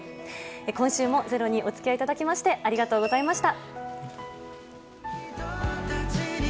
今週も「ｚｅｒｏ」にお付き合いいただきましてありがとうございました。